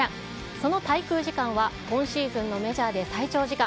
その滞空時間は今シーズンのメジャーで最長時間。